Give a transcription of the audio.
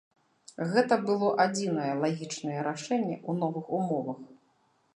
Гэта было адзінае лагічнае рашэнне ў новых умовах.